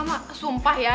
rama sumpah ya